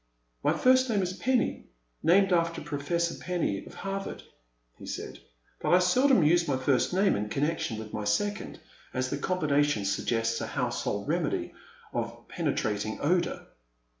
My first name is Penny — named after Profes sor Penny of Harvard," he said, but I seldom use my first name in connection with my second, as the combination suggests a household remedy of penetrating odour.